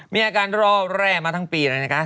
มีอาการรอแร่มาทั้งปีเลยนะคะ